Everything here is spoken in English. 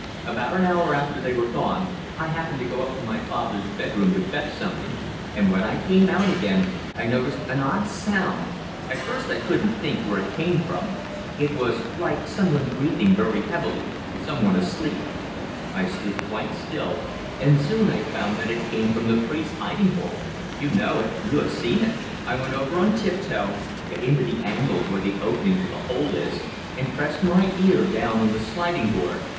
About an hour after they were gone, I happened to go up to father's bedroom to fetch something, and when I came out again I noticed an odd sound at first I couldn't think where it came from. It was like someone breathing very heavily, someone asleep. I stood quite still, and soon I found that it came from the priests' hiding hole you know it, you have seen it. I went over on tip toe, got into the angle where the opening to the hole is, and pressed my ear down on the sliding board.